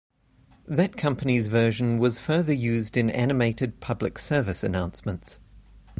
That company's version was further used in animated public service announcements.